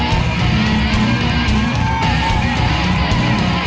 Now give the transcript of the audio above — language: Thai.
หมวกปีกดีกว่าหมวกปีกดีกว่า